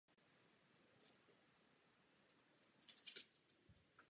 Značení bylo zkráceno o jednu číslici.